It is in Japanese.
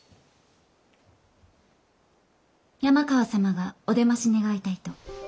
山川様がお出まし願いたいと。